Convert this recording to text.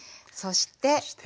そして。